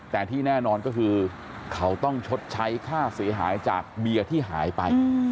แต่ที่แน่นอนก็คือเขาต้องชดใช้ค่าเสียหายจากเบียร์ที่หายไป